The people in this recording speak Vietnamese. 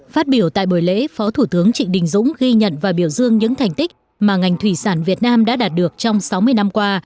phát biểu tại buổi lễ phó thủ tướng trịnh đình dũng ghi nhận và biểu dương những thành tích mà ngành thủy sản việt nam đã đạt được trong sáu mươi năm qua